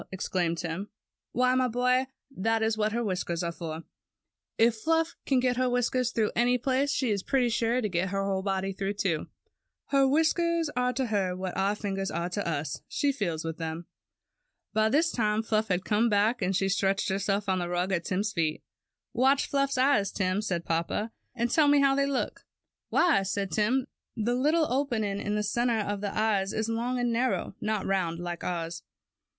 exclaimed Tim. TIM'S CAT 49 ^Why, my boy, that is what her whisk ers are for. If Fluff can get her whiskers through any place, she is pretty sure to get her body through, too. Her whiskers are to her what our fingers are to us. She feels with them." By this time Fluff had come back, and she stretched herself on the rug at Tim^s feet. ^ Watch Fluff's eyes, Tim," said papa, ^^and tell me how they look." ^Why," said Tim, ^The little opening in the center of the eye is long and narrow; not round like ours."